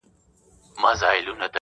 او د دوی ناسم کار ته مې ناسم وویل